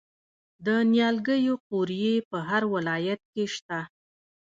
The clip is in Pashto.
د نیالګیو قوریې په هر ولایت کې شته.